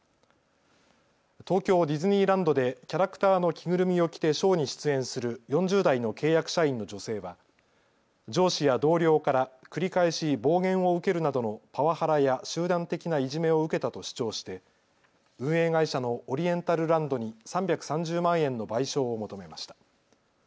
東京ディズニーランドでキャラクターの着ぐるみを着てショーに出演する４０代の契約社員の女性は上司や同僚から繰り返し暴言を受けるなどのパワハラや集団的ないじめを受けたと主張して運営会社のオリエンタルランドに３３０万円の賠償を求めました。